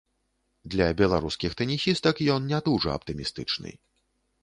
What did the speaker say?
Для беларускіх тэнісістак ён не дужа аптымістычны.